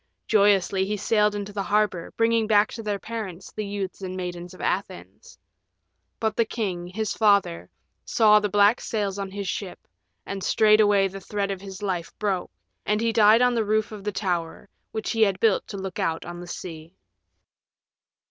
Joyously he sailed into the harbor, bringing back to their parents the youths and maidens of Athens. But the king, his father, saw the black sails on his ship, and straightway the thread of his life broke, and he died on the roof of the tower which he had built to look out on the sea.